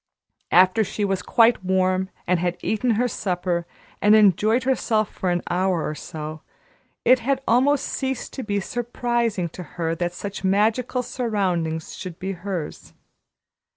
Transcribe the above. After she was quite warm and had eaten her supper and enjoyed herself for an hour or so, it had almost ceased to be surprising to her that such magical surroundings should be hers.